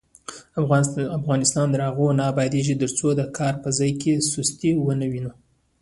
افغانستان تر هغو نه ابادیږي، ترڅو د کار په ځای کې سستي ونه وینو.